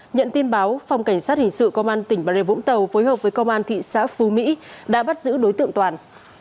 nhận tin báo phòng cảnh sát hình sự công an tỉnh bà rê vũng tàu phối hợp với công an thị xã phú mỹ đã bắt giữ đối tượng toàn